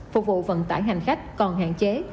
phục vụ vận tải hành khách còn hạn chế